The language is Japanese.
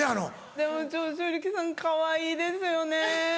でも長州力さんかわいいですよね。